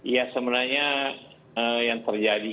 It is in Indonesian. ya sebenarnya yang terjadi